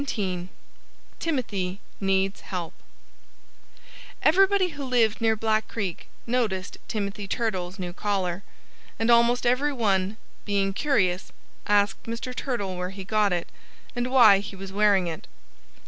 XVII TIMOTHY NEEDS HELP Everybody who lived near Black Creek noticed Timothy Turtle's new collar. And almost every one, being curious, asked Mr. Turtle where he got it, and why he was wearing it.